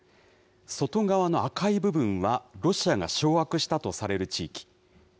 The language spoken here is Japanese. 外側の赤い部分は、ロシアが掌握したとされる地域。